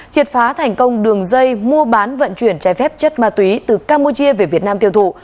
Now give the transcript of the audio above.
triệt phá thành công đường dây mua bán vận chuyển trái phép chất ma túy từ campuchia về việt nam tiêu thụ